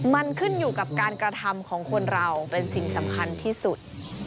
มันขึ้นอยู่กับการกระทำของคนเราเป็นสิ่งสำคัญที่สุด